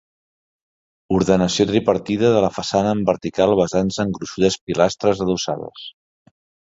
Ordenació tripartida de la façana en vertical basant-se en gruixudes pilastres adossades.